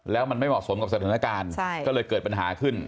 แล้วมันไม่เหมาะสมกับสถานการณ์ก็เลยเกิดปัญหาขึ้น